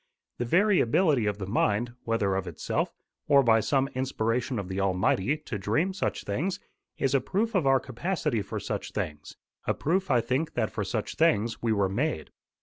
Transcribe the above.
The very ability of the mind, whether of itself, or by some inspiration of the Almighty, to dream such things, is a proof of our capacity for such things, a proof, I think, that for such things we were made.